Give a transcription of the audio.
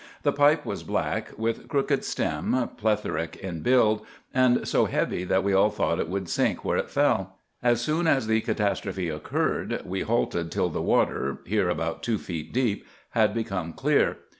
The pipe was black, with crooked stem, plethoric in build, and so heavy that we all thought it would sink where it fell. As soon as the catastrophe occurred we halted till the water, here about two feet deep, had become clear.